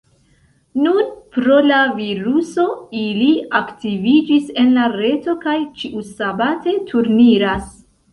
Nun pro la viruso ili aktiviĝis en la reto kaj ĉiusabate turniras.